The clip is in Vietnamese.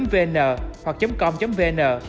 vn hoặc com vn